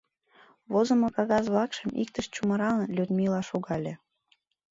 Возымо кагаз-влакшым иктыш чумыралын, Людмила шогале.